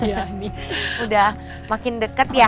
udah makin deket ya